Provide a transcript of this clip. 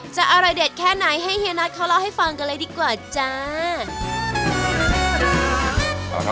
อร่อยเด็ดแค่ไหนให้เฮียนัทเขาเล่าให้ฟังกันเลยดีกว่าจ้า